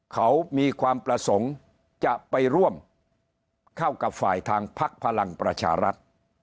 เขามีความประสงค์จะไปร่วมเข้ากับฝ่ายทางพักพลังประชารัฐ